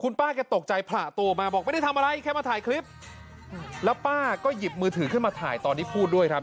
ป้าแกตกใจผละตัวออกมาบอกไม่ได้ทำอะไรแค่มาถ่ายคลิปแล้วป้าก็หยิบมือถือขึ้นมาถ่ายตอนที่พูดด้วยครับ